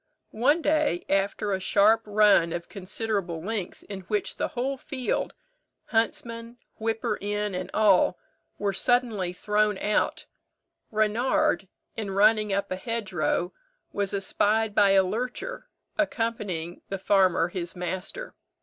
One day, after a sharp run of considerable length, in which the whole field, huntsman, whipper in, and all, were suddenly thrown out, Reynard, in running up a hedgerow, was espied by a lurcher, accompanying the farmer his master.